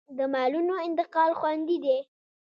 د مالونو انتقال خوندي دی